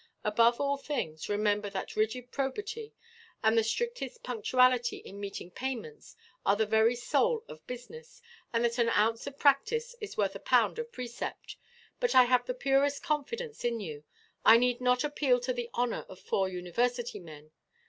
Above all things, remember that rigid probity, and the strictest punctuality in meeting payments, are the very soul of business, and that an ounce of practice is worth a pound of precept. But I have the purest confidence in you. I need not appeal to the honour of four university men.